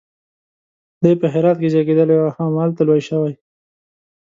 دی په هرات کې زیږېدلی او همالته لوی شوی.